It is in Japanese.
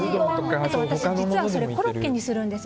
私、実はコロッケにするんです。